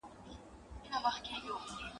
تل خو به حسین لره یزید کربلا نه نیسي ..